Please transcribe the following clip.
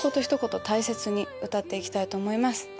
一言大切に歌っていきたいと思います。